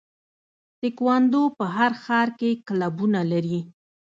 تکواندو په هر ښار کې کلبونه لري.